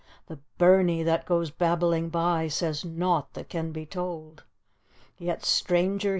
The burnic that goes babbling by Says naught that can be Cold. Yet, stranger!